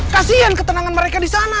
kasian ketenangan mereka di sana